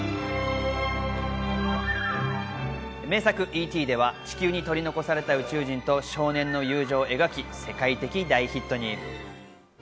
名作『Ｅ．Ｔ．』では地球に取り残された宇宙人と少年の友情を描き世界的大ヒットに。